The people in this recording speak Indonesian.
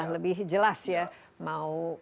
lebih jelas ya mau